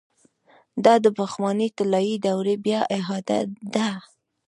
دا د پخوانۍ طلايي دورې بيا اعاده ده.